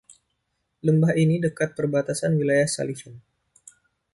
Lembah ini dekat perbatasan Wilayah Sullivan.